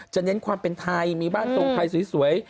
เน้นความเป็นไทยมีบ้านทรงไทยสวย